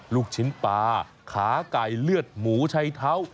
ลูกชิ้นปลาขาไก่เลือดหมูชัยเท้า